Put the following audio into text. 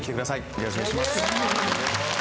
よろしくお願いします